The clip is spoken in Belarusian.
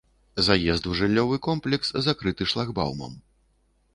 Заезд у жыллёвы комплекс закрыты шлагбаумам.